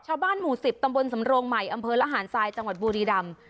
ชาวบ้านหมู่๑๐ตำบลสำโรงใหม่อำเภอระหารทรายจังหวัดบุรีรำ